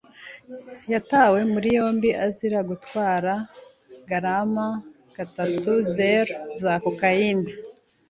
yatawe muri yombi azira gutwara garama gatatuzeru za kokayine.